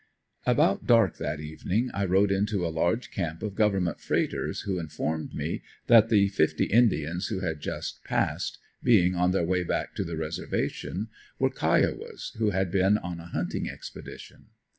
About dark that evening I rode into a large camp of Government freighters, who informed me that the fifty indians who had just passed being on their way back to the reservation were Kiowas who had been on a hunting expedition.